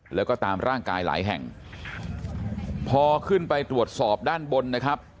แล้วก็ตามร่างกายหลายแห่งพอขึ้นไปตรวจสอบด้านบนนะครับ